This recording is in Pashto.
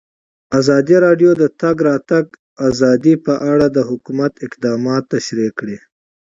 ازادي راډیو د د تګ راتګ ازادي په اړه د حکومت اقدامات تشریح کړي.